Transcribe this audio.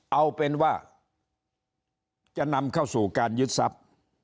เอาเป็นว่าจะนำเข้าสู่การยึดทรัพย์